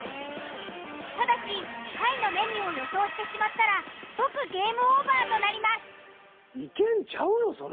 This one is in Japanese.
ただし下位のメニューを予想してしまったら即ゲームオーバーとなります。